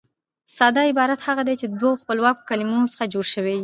ساده عبارت هغه دئ، چي د دوو خپلواکو کلیمو څخه جوړ يي.